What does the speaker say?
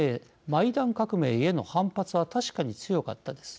マイダン革命への反発は確かに強かったです。